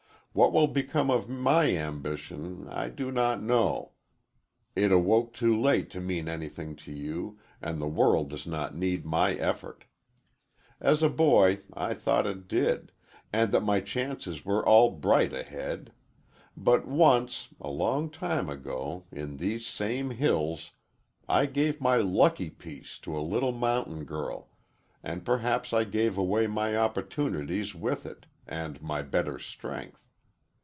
What will become of my ambition I do not know. It awoke too late to mean anything to you, and the world does not need my effort. As a boy, I thought it did, and that my chances were all bright ahead. But once, a long time ago, in these same hills, I gave my lucky piece to a little mountain girl, and perhaps I gave away my opportunities with it, and my better strength.